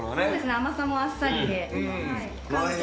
甘さもあっさりで。